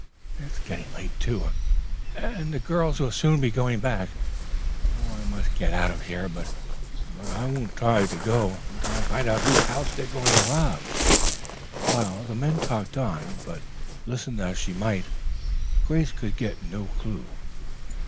It's getting late, too, and the girls will soon be going back. Oh, I must get out of here, but I won't try to go until I find out whose house they're going to rob." The men talked on, but, listen as she might, Grace could get no clue.